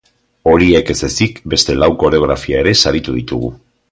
Horiek ez ezik, beste lau koreografia ere saritu ditugu.